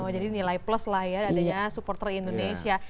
jadi nilai plus lah ya adanya supporter indonesia